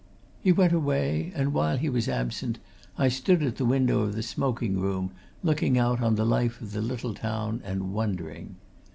He went away, and while he was absent I stood at the window of the smoking room, looking out on the life of the little town and wondering.